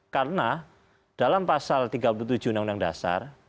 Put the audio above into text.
karena dalam pasal tiga puluh tujuh undang undang dasar